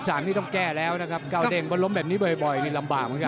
นี่ต้องแก้แล้วนะครับก้าวเด้งเพราะล้มแบบนี้บ่อยนี่ลำบากเหมือนกัน